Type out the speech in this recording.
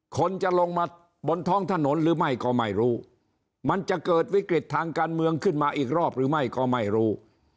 คนจะลงมาบนท้องถนนหรือไม่ก็ไม่รู้มันจะเกิดวิกฤตทางการเมืองขึ้นมาอีกรอบหรือไม่ก็ไม่รู้